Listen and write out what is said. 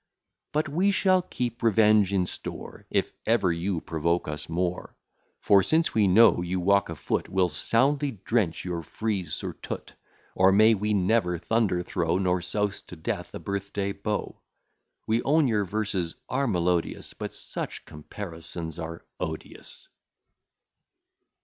But we shall keep revenge in store If ever you provoke us more: For, since we know you walk a foot, We'll soundly drench your frieze surtout; Or may we never thunder throw, Nor souse to death a birth day beau. We own your verses are melodious; But such comparisons are odious.